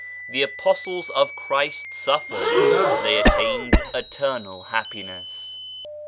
The Apostles of Christ suffered : they attained eternal happiness.